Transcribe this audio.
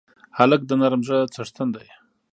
هلک د نرم زړه څښتن دی.